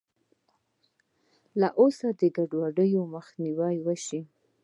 له اوسنیو ګډوډیو مخنیوی وشي.